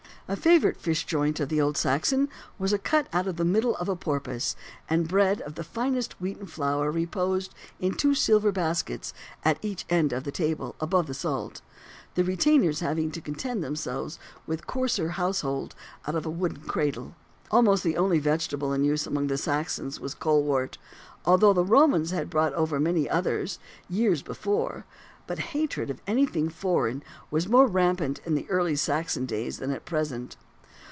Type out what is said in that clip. A favourite "fish joint" of the old Saxon was a cut out of the middle of a porpoise; and bread of the finest wheaten flour reposed in two silver baskets at each end of the table, above the salt, the retainers having to content themselves with coarser "household" out of a wooden cradle. Almost the only vegetable in use amongst the Saxons was colewort, although the Romans had brought over many others, years before; but hatred of anything foreign was more rampant in early Saxon days than at present.